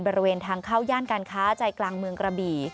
บริเวณทางเข้าย่านการค้าใจกลางเมืองกระบี่